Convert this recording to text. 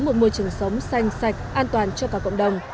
một môi trường sống xanh sạch an toàn cho cả cộng đồng